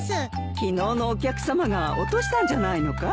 昨日のお客さまが落としたんじゃないのかい？